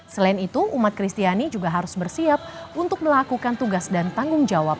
selain itu umat kristiani juga harus bersiap untuk melakukan tugas dan tanggung jawab